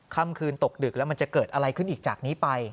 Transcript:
ค่ำคืนตกดึกแล้วมันจะเกิดอะไรขึ้นอีกจากนี้ไป